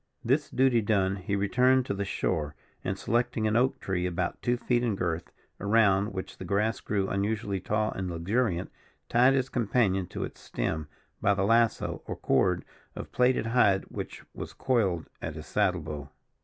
This duty done, he returned to the shore, and, selecting an oak tree about two feet in girth, around which the grass grew unusually tall and luxuriant, tied his companion to its stem by the lasso, or cord of plaited hide which was coiled at his saddle bow.